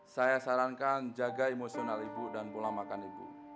saya sarankan jaga emosional ibu dan pola makan ibu